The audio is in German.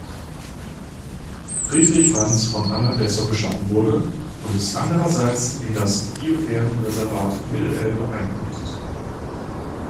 Friedrich Franz von Anhalt-Dessau geschaffen wurde und ist andererseits in das Biosphärenreservat Mittelelbe eingebettet.